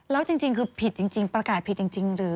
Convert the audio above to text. แล้วจริงคือผิดจริงประกาศผิดจริงหรือ